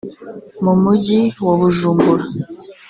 mu Mujyi wa Bujumbura